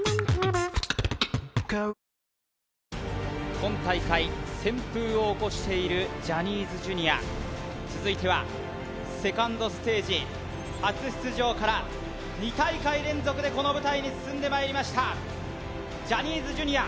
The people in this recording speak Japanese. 今大会旋風を起こしているジャニーズＪｒ．続いてはセカンドステージ初出場から２大会連続でこの舞台に進んでまいりました